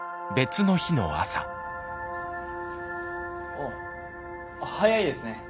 あっ早いですね。